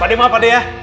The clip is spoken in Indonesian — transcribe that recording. pak d maaf pak d ya